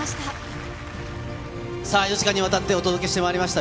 ４時間にわたってお届けしてまいりました